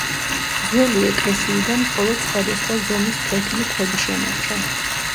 ძველი ეკლესიიდან მხოლოდ სხვადასხვა ზომის ფლეთილი ქვები შემორჩა.